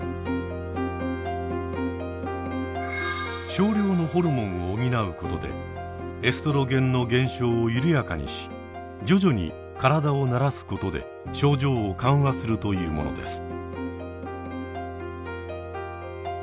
少量のホルモンを補うことでエストロゲンの減少を緩やかにし徐々に体を慣らすことで症状を緩和するというものです。